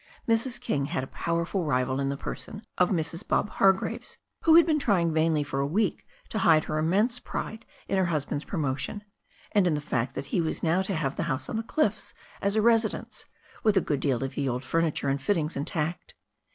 '^x^.Y>:vw^\sa.^'^'^$^ «^tful rival in THE STORY OF A NEW ZEALAND RIVER 427 the person of Mrs. Bob Hargraves, who had been trying vainly for a week to hide her immense pride in her hus band's promotion, and in the fact that he was now to have the house on the cliffs as a residence, with a good deal of the old furniture and fittings intact.